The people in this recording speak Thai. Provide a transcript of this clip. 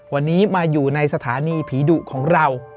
วันนี้มาอยู่ในสถานีผีดุของเรา